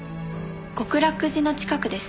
極楽寺の近くです。